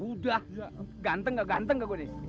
udah ganteng gak ganteng ke gue nih